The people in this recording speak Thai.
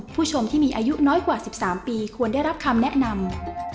ผู้ชมที่มีอายุน้อยกว่า๑๓ปีควรได้รับคำแนะนำ